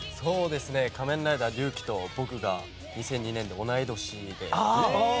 仮面ライダー龍騎と僕が２００２年で同い年で。